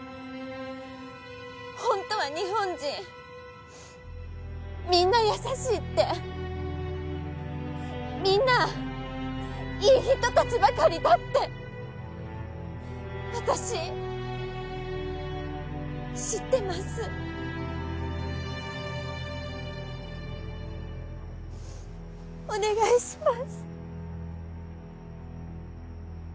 ホントは日本人みんな優しいってみんないい人達ばかりだって私知ってますお願いします